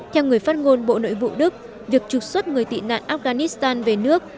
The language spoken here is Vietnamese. theo người phát ngôn bộ nội vụ đức việc trục xuất người tị nạn afghanistan về nước